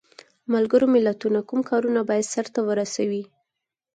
ملګرو ملتونو کوم کارونه باید سرته ورسوي؟